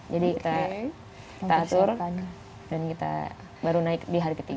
jadi kita atur dan kita baru naik di hari ketiga